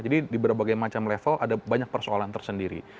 jadi di berbagai macam level ada banyak persoalan tersendiri